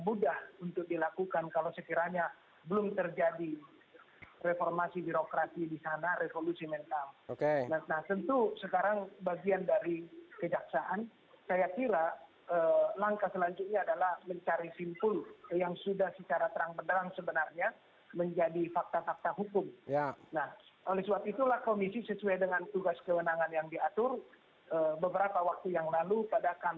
bahkan pengacaranya sudah menjadi tersangkap